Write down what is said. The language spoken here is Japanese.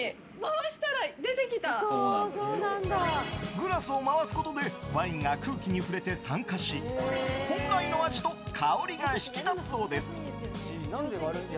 グラスを回すことでワインが空気に触れて酸化し本来の味と香りが引き立つそうです。